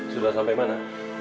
sudah sampai mana